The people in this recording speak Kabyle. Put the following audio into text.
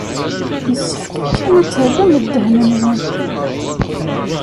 Yessefk kan ad terrem ddehn-nwen.